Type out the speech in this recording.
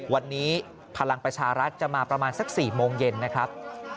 วันนี้พลังประชารัฐจะมาประมาณสัก๔โมงเย็นนะครับ